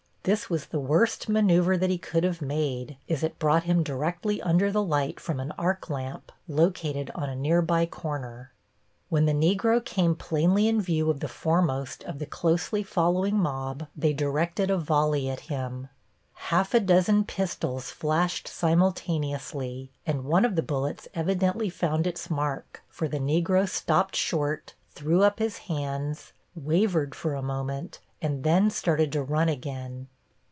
This was the worst maneuver that he could have made, as it brought him directly under the light from an arc lamp, located on a nearby corner. When the Negro came plainly in view of the foremost of the closely following mob they directed a volley at him. Half a dozen pistols flashed simultaneously, and one of the bullets evidently found its mark, for the Negro stopped short, threw up his hands, wavered for a moment, and then started to run again.